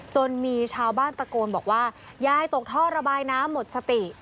จนมีชาวบ้านตะโกนบอกว่ายายตกท่อระบายน้ำหมดสติ